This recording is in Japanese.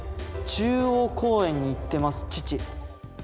「中央公園に行ってます父」。